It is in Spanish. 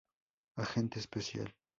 Agente especial.